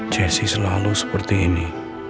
jessi selalu seperti ini